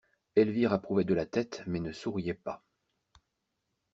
Elvire approuvait de la tête, mais ne souriait pas.